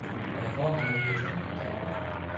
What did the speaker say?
Eine Vorhalle führte in den Tempel.